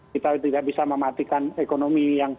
kita tidak bisa mematikan ekonomi yang